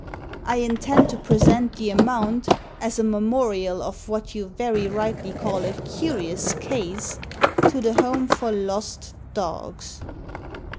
I intend to present the amount, as a memorial of what you very rightly call a curious case, to the Home for Lost Dogs."